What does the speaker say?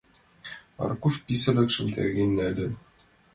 — Аркуш писылыкшым терген нале.